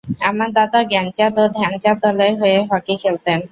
আমার দাদা জ্ঞানচাঁদ এবং ধ্যানচাঁদ দলের হয়ে হকি খেলতেন।